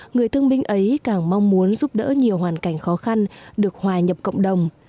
người thương minh ấy càng mong muốn giúp đỡ nhiều hoàn cảnh khó khăn được hòa nhập cộng đồng